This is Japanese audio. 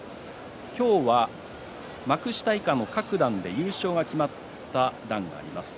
今日は幕下以下の各段で優勝が決まった段があります。